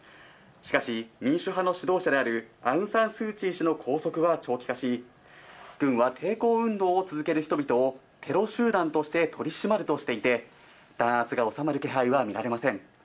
しかし、民主派の指導者であるアウン・サン・スー・チー氏の拘束は長期化し、軍は抵抗運動を続ける人々をテロ集団として取り締まるとしていて、弾圧が収まる気配は見られません。